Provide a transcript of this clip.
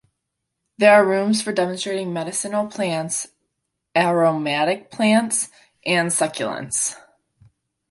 There are rooms for demonstrating medicinal plants, aromatic plants and succulents.